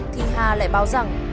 thì hà lại báo rằng